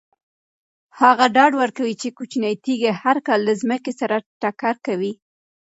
هغه ډاډ ورکوي چې کوچنۍ تیږې هر کال له ځمکې سره ټکر کوي.